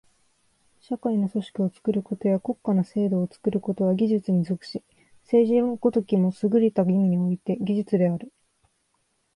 社会の組織を作ることや国家の制度を作ることは技術に属し、政治の如きもすぐれた意味において技術である。